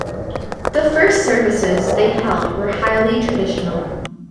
The first services they held were highly traditional.